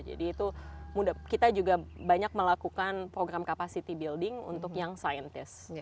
jadi itu kita juga banyak melakukan program capacity building untuk yang saintis